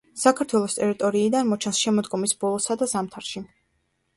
საქართველოს ტერიტორიიდან მოჩანს შემოდგომის ბოლოსა და ზამთარში.